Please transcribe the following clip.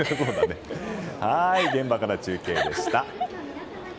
現場から中継でした。